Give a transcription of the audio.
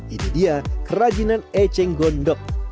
ini dia kerajinan eceng gondok